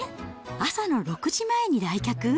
朝の６時前に来客？